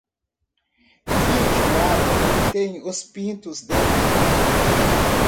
Fio de malha mantém os pintos dentro.